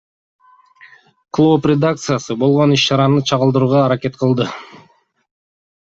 Клооп редакциясы болгон иш чараны чагылдырууга аракет кылды.